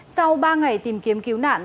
sau ba ngày tìm kiếm cứu nạn tại